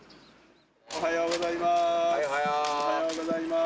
おはようございます。